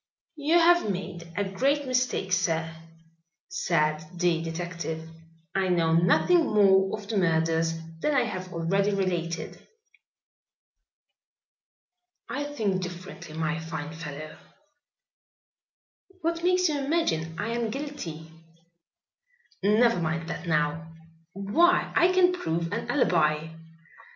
"You have made a great mistake, sir," said the detective. "I know nothing more of the murders than I have already related." "I think differently, my fine fellow." "What makes you imagine I am guilty?" "Never mind that now." "Why, I can prove an alibi."